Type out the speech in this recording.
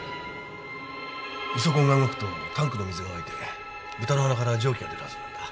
イソコンが動くとタンクの水が沸いて豚の鼻から蒸気が出るはずなんだ。